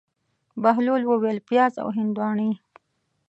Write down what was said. بهلول وویل: پیاز او هندواڼې.